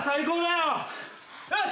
よし！